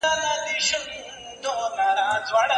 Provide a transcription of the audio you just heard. ولیکه اسمانه د زمان حماسه ولیکه